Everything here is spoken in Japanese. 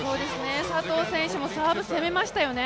佐藤選手もサーブ、攻めましたよね。